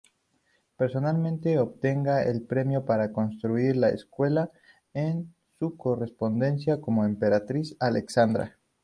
Personalmente obtenga el permiso para construir la escuela en su correspondencia con Emperatriz Alexandra.